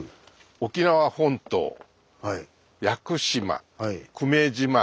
沖縄本島屋久島